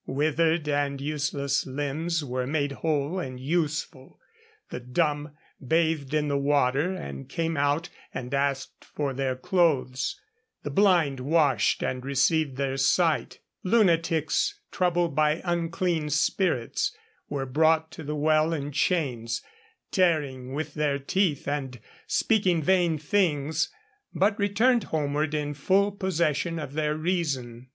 Withered and useless limbs were made whole and useful; the dumb bathed in the water, came out, and asked for their clothes; the blind washed and received their sight; lunatics 'troubled by unclean spirits' were brought to the well in chains, 'tearing with their teeth and speaking vain things,' but returned homeward in full possession of their reason.